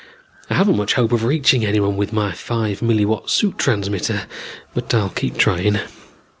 I haven't much hope of reaching anyone with my five milliwatt suit transmitter but I'll keep trying.